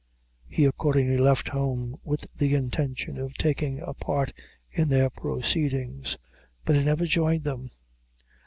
He accordingly left home with the intention of taking a part in their proceedings; but he never joined them.